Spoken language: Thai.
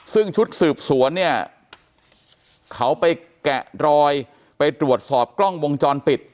ซึ่งชุดสืบสวนเนี่ยเขาไปแกะรอยไปตรวจสอบกล้องวงจรปิด